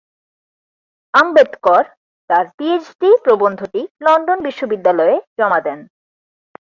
আম্বেদকর তার পিএইচডি প্রবন্ধটি লন্ডন বিশ্ববিদ্যালয়ে জমা দেন।